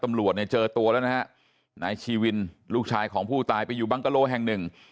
ตำรวจเจอตัวแล้วนะครับนายชีวินลูกชายของผู้ตายไปอยู่บังกะโลแห่ง๑